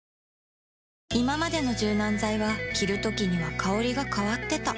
いままでの柔軟剤は着るときには香りが変わってた